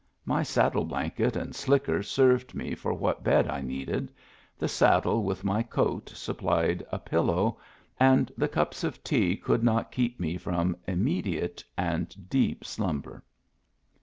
My saddle blanket and " slicker " served me for what bed I needed, the saddle with my coat supplied a pillow, and the cups of tea could not keep me from immedi ate and deep slumber.